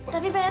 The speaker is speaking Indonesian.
tapi pak rt